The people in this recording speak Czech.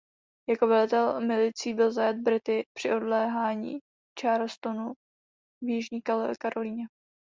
Jako velitel milicí byl zajat Brity při obléhání Charlestonu v Jižní Karolíně.